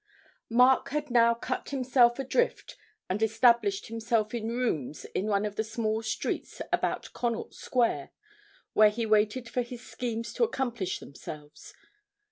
Mark had now cut himself adrift and established himself in rooms in one of the small streets about Connaught Square, where he waited for his schemes to accomplish themselves.